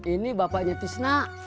ini bapaknya tisna